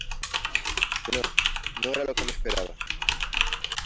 que no , no era lo que me esperaba .